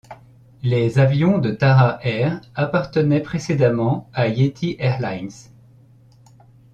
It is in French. Les avions de Tara Air appartenaient précédemment à Yeti Airlines.